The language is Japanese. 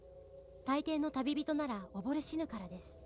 「大抵の旅人なら溺れ死ぬからです」